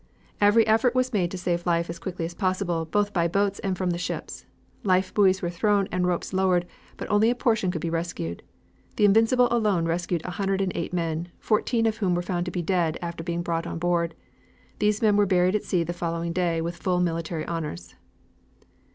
Every effort was made to save life as quickly as possible, both by boats and from the ships. Life buoys were thrown and ropes lowered, but only a portion could be rescued. The Invincible alone rescued a hundred and eight men, fourteen of whom were found to be dead after being brought on board. These men were buried at sea the following day, with full military honors.